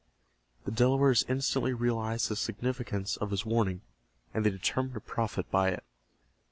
The Delawares instantly realized the significance of his warning, and they determined to profit by it.